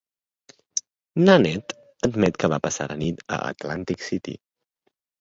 Nanette admet que va passar la nit a Atlantic City.